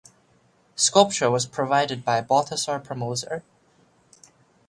Sculpture was provided by Balthasar Permoser.